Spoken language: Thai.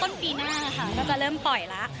ต้นปีหน้านะคะเราจะเริ่มปล่อยละ